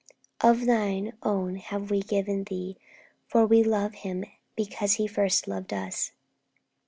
'Of Thine own have we given Thee,' for 'we love Him because He first loved us.'